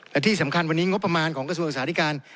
และที่สำคัญวันนี้งบประมาณของกระทรวงศึกษาธิการ